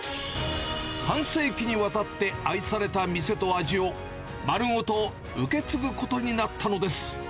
半世紀にわたって愛された店と味を、丸ごと受け継ぐことになったのです。